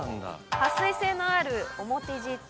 はっ水性のある表地と。